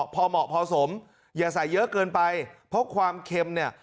พอเหมาะพอสมอย่าใส่เยอะเกินไปเพราะความเค็มเนี่ย